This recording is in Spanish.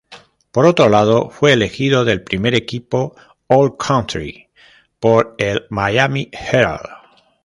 Por otro lado fue elegido del primer equipo all-country por el Miami Herald.